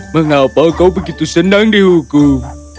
mengapa kau begitu senang dihukum